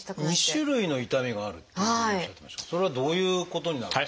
２種類の痛みがあるっていうふうにおっしゃってましたけどそれはどういうことになるんですか？